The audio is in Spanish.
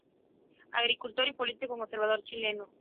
Agricultor y político conservador chileno.